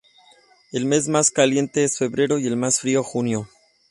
El mes más caliente es febrero y el más frío junio.